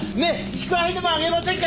祝杯でも上げませんか？